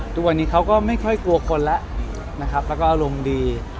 ทุกวันนี้เขาก็ไม่ค่อยกลัวคนแล้วนะครับแล้วก็อารมณ์ดี